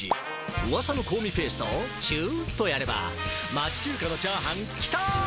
うわさの「香味ペースト」をちゅっとやれば町中華のチャーハンキタ！